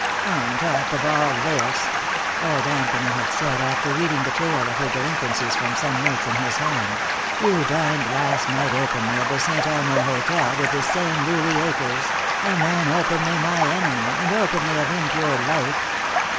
"On top of all this," old Anthony had said, after reading the tale of her delinquencies from some notes in his hand, "you dined last night openly at the Saint Elmo Hotel with this same Louis Akers, a man openly my enemy, and openly of impure life."